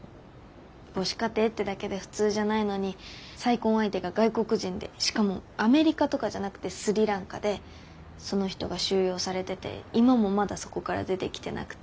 母子家庭ってだけで普通じゃないのに再婚相手が外国人でしかもアメリカとかじゃなくてスリランカでその人が収容されてて今もまだそこから出てきてなくて。